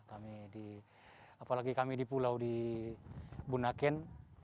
apalagi kami di pulau di bunaken